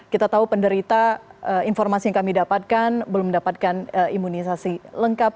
kita tahu penderita informasi yang kami dapatkan belum mendapatkan imunisasi lengkap